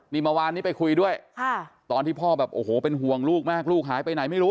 นี่เมื่อวานนี้ไปคุยด้วยตอนที่พ่อแบบโอ้โหเป็นห่วงลูกมากลูกหายไปไหนไม่รู้